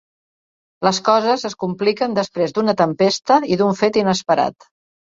Les coses es compliquen després d’una tempesta i d’un fet inesperat.